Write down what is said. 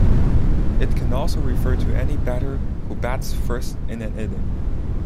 It can also refer to any batter who bats first in an inning.